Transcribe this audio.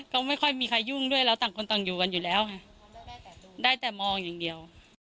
ก็ไม่ค่อยมีใครยุ่งด้วยเราต่างคนต่างอยู่กันอยู่แล้วไงได้แต่มองอย่างเดียว